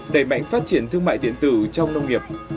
đẩy mạnh phát triển thương mại điện tử trong nông nghiệp